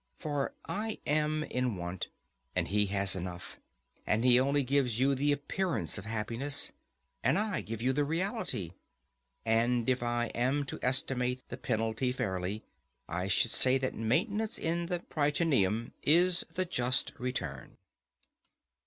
For I am in want, and he has enough; and he only gives you the appearance of happiness, and I give you the reality. And if I am to estimate the penalty fairly, I should say that maintenance in the Prytaneum is the just return.